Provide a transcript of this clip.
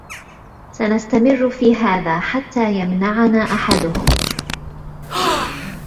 سنستمر في هذا حتى يمنعنا أحدهم.